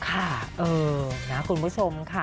ค่ะเออนะคุณผู้ชมค่ะ